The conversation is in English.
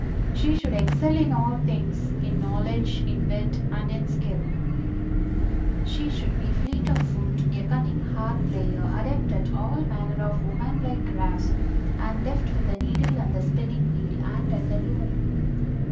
She should excel in all things, in knowledge, in wit, and in skill; she should be fleet of foot, a cunning harp player, adept at all manner of woman like crafts, and deft with the needle and the spinning wheel, and at the loom.